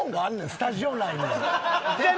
スタジオ内に。